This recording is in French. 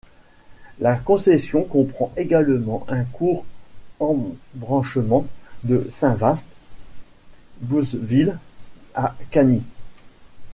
La concession comprend également un court embranchement de Saint-Vaast - Bosville à Cany.